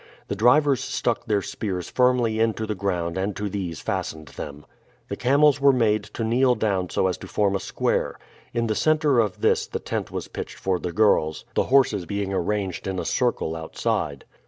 The drivers stuck their spears firmly into the ground and to these fastened them. The camels were made to kneel down so as to form a square. In the center of this the tent was pitched for the girls, the horses being arranged in a circle outside.